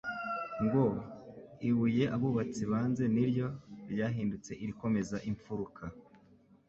ngo :« Ibuye abubatsi banze niryo ryahindutse irikomeza imfuruka.